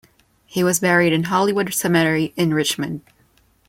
He was buried in Hollywood Cemetery in Richmond.